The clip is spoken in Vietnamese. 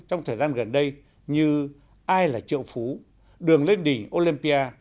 trong thời gian gần đây như ai là triệu phú đường lên đỉnh olympia